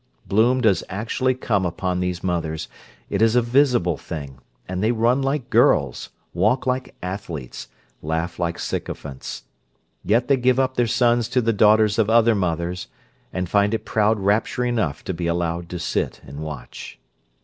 Bloom does actually come upon these mothers; it is a visible thing; and they run like girls, walk like athletes, laugh like sycophants. Yet they give up their sons to the daughters of other mothers, and find it proud rapture enough to be allowed to sit and watch.